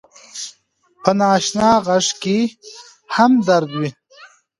په ناآشنا غږ کې هم درد وي